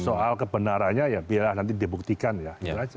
soal kebenarannya ya biar nanti dibuktikan ya